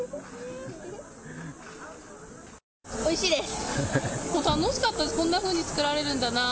おいしいです。